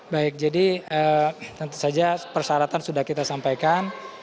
baik jadi tentu saja persyaratan sudah kita sampaikan